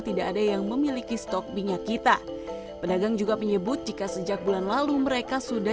tidak ada yang memiliki stok minyak kita pedagang juga menyebut jika sejak bulan lalu mereka sudah